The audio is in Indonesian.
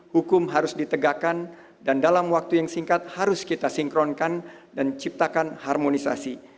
hukum harus ditegakkan dan dalam waktu yang singkat harus kita sinkronkan dan ciptakan harmonisasi